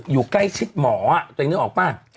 อยู่ใกล้ชิดหมอจริงนึกออกไหม